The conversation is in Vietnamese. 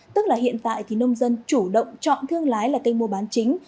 tức là hiện tại thì nông dân chủ động chọn thương lái là cây mua bán chính